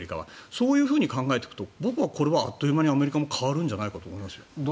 そういうことを考えていくと僕はこれはあっという間にアメリカも変わると思います。